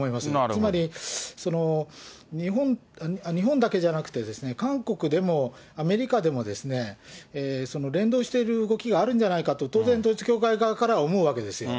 つまり、日本だけじゃなくて、韓国でもアメリカでも、連動している動きがあるんじゃないかと、当然、統一教会側は思うわけですよ。